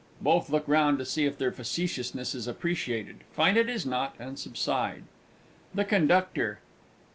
(Both look round to see if their facetiousness is appreciated, find it is not and subside.) THE CONDUCTOR.